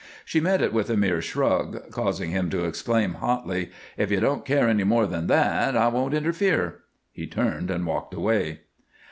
She met it with a mere shrug, causing him to exclaim, hotly, "If you don't care any more than that, I won't interfere." He turned and walked away.